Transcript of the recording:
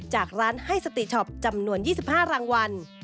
จากร้านให้สติช็อปจำนวน๒๕รางวัล